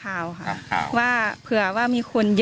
การแก้เคล็ดบางอย่างแค่นั้นเอง